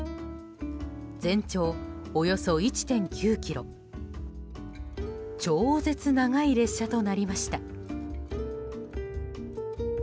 全長およそ１．９ｋｍ超絶長い列車となりました。